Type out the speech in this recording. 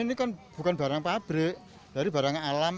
ini kan bukan barang pabrik dari barangnya alam